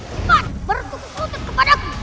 cepat bertukus lutut kepadaku